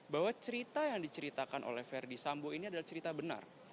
bahwa cerita yang diceritakan oleh verdi sambo ini adalah cerita benar